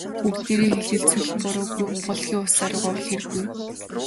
Бүгдээрээ хэлэлцвэл буруугүй, булгийн усаар угаавал хиргүй.